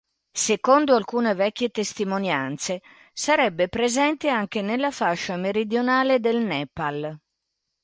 Secondo alcune vecchie testimonianze, sarebbe presente anche nella fascia meridionale del Nepal.